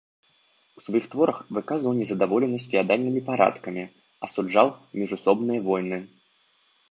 У сваіх творах выказваў незадаволенасць феадальнымі парадкамі, асуджаў міжусобныя войны.